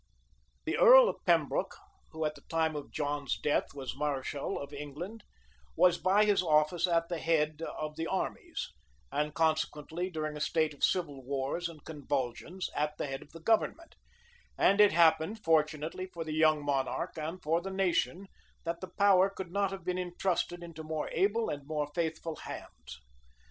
* M. Paris, p. 623. The earl of Pembroke, who at the time of John's death, was mareschal of England, was, by his office, at the head of the armies, and consequently, during a state of civil wars and convulsions, at the head of the government; and it happened, fortunately for the young monarch and for the nation, that the power could not have been intrusted into more able and more faithful hands.